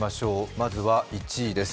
まずは１位です。